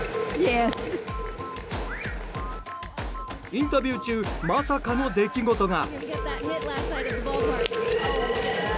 インタビュー中まさかの出来事が。